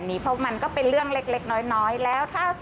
นี่แหละค่ะ